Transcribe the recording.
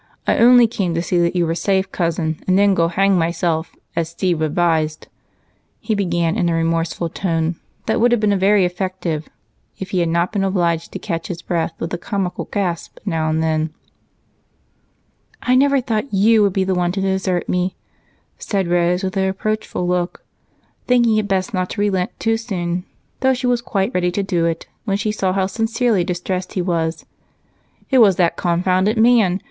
I only came to see that you were safe, Cousin, and then go hang myself, as Steve advised," he began in a remorseful tone that would have been very effective if he had not been obliged to catch his breath with a comical gasp now and then. "I never thought you would be the one to desert me," said Rose with a reproachful look, thinking it best not to relent too soon, though she was quite ready to do it when she saw how sincerely distressed he was. "It was that confounded man!